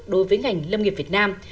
đối với ngành lâm nghiệp việt nam